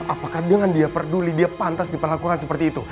apakah dengan dia peduli dia pantas diperlakukan seperti itu